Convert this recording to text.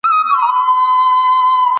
نور خلک یوازې شکایت کوي.